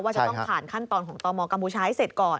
จะต้องผ่านขั้นตอนของตมกัมพูชาให้เสร็จก่อน